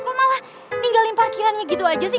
kok malah ninggalin parkirannya gitu aja sih